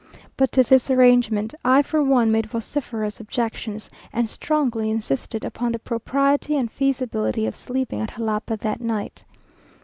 But to this arrangement, I for one made vociferous objections, and strongly insisted upon the propriety and feasibility of sleeping at Jalapa that night.